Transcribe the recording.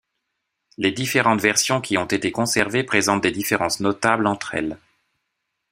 Les différentes versions qui ont été conservées présentent des différences notables entre elles.